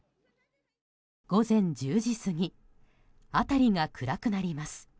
午前１０時過ぎ辺りが暗くなります。